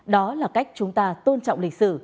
đó là cách chúng ta tôn trọng lịch sử